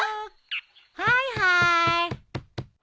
はいはーい。